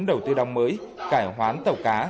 đầu tư đồng mới cải hoán tàu cá